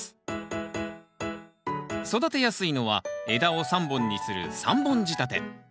育てやすいのは枝を３本にする３本仕立て。